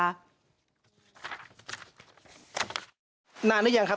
ครับครับครับ